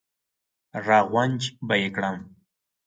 را غونج به یې کړم.